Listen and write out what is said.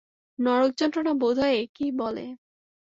নরকযন্ত্রণা বোধ হয় একেই বলে।